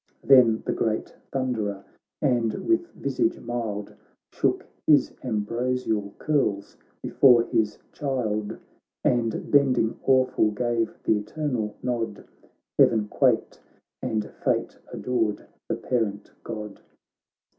Then the great Thunderer, and with visage mild. Shook his ambrosial curls before his child, And bending awful gave the eternal nod ; Heaven quaked, and fate adored the parent God.